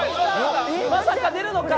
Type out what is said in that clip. まさか出るのか！？